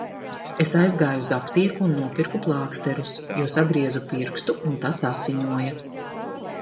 Es aizgāju uz aptieku un nopirku plāksterus, jo sagriezu pirkstu un tas asiņoja.